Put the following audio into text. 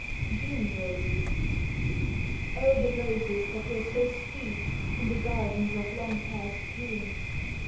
JUNE ROSES, THE roses that were so sweet In the gardens of long past Junes